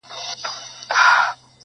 • چي د ژوند د رنګینیو سر اغاز دی..